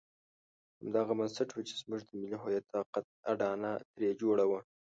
همدغه بنسټ وو چې زموږ د ملي هویت طاقت اډانه ترې جوړه وه.